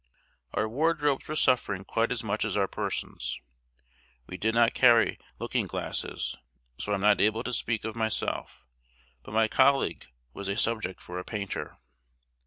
"] Our wardrobes were suffering quite as much as our persons. We did not carry looking glasses, so I am not able to speak of myself; but my colleague was a subject for a painter.